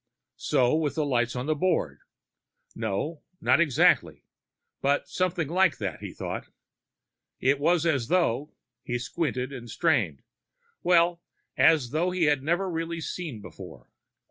So with the lights on the board no, not exactly; but something like that, he thought. It was as though he squinted and strained well, as though he had never really seen before.